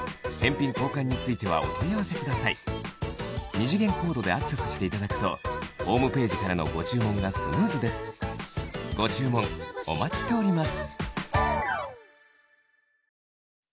二次元コードでアクセスしていただくとホームページからのご注文がスムーズですご注文お待ちしております